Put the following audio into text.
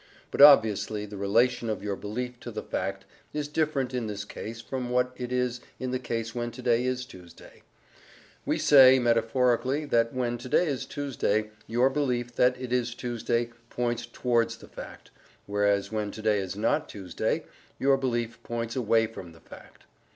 But obviously the relation of your belief to the fact is different in this case from what it is in the case when to day is Tuesday. We may say, metaphorically, that when to day is Tuesday, your belief that it is Tuesday points TOWARDS the fact, whereas when to day is not Tuesday your belief points AWAY FROM the fact.